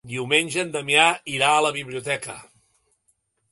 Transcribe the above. Diumenge en Damià irà a la biblioteca.